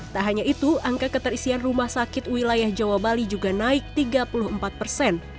tak hanya itu angka keterisian rumah sakit wilayah jawa bali juga naik tiga puluh empat persen